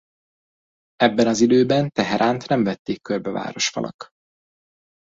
Ebben az időben Teheránt nem vették körbe városfalak.